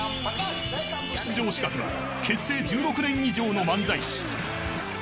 出場資格は結成１６年以上の漫才師。